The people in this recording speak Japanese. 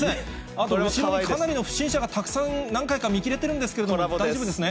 あと後ろにかなりの不審者がたくさん何回か見切れてるんですけど、大丈夫ですね。